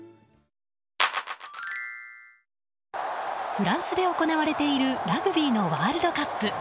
フランスで行われているラグビーのワールドカップ。